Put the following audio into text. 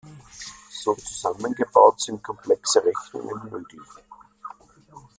So zusammengebaut sind komplexe Rechnungen möglich.